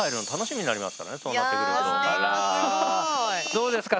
どうですか？